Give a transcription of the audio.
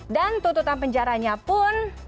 dan tuntutan penjaranya pun